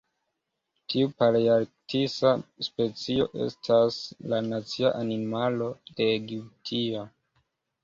Tiu palearktisa specio estas la nacia animalo de Egiptio.